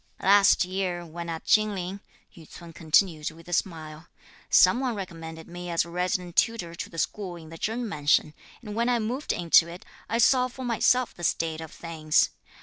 "Last year, when at Chin Ling," Yü ts'un continued with a smile, "some one recommended me as resident tutor to the school in the Chen mansion; and when I moved into it I saw for myself the state of things.